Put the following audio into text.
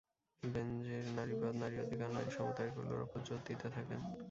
বেনজির নারীবাদ, নারী-অধিকার, নারী-সমতা এগুলোর ওপর জোর দিতে থাকেন।